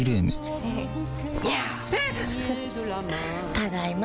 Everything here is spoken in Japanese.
ただいま。